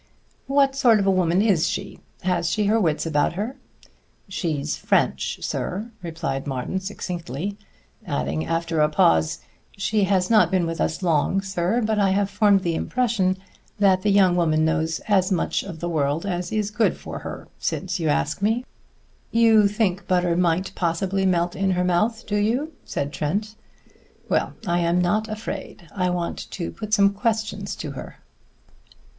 "What sort of a woman is she? Has she her wits about her?" "She's French, sir," replied Martin succinctly; adding after a pause: "She has not been with us long, sir, but I have formed the impression that the young woman knows as much of the world as is good for her since you ask me." "You think butter might possibly melt in her mouth, do you?" said Trent. "Well, I am not afraid. I want to put some questions to her."